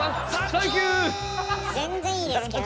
全然いいですけどね。